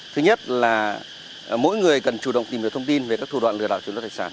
thứ nhất là mỗi người cần chủ động tìm được thông tin về các thủ đoạn lừa đảo chủ đoạn thạch sản